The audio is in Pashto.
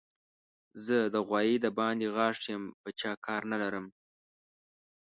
زه د غوايي د باندې غاښ يم؛ په چا کار نه لرم.